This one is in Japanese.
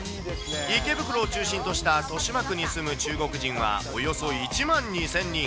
池袋を中心とした豊島区に住む中国人はおよそ１万２０００人。